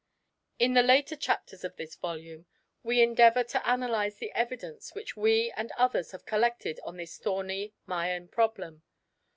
In the later chapters of this volume we endeavour to analyse the evidence which we and others have collected on this thorny Mayan problem.